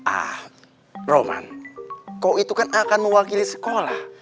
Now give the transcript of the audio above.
ah roman kau itu kan akan mewakili sekolah